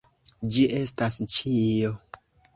Ĝi estas ĉio.